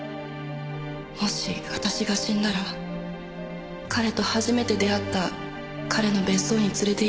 「もし私が死んだら彼と初めて出会った彼の別荘につれていってくれるって」